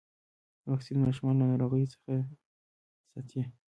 واکسین ماشومان له ناروغيو څخه ساتي.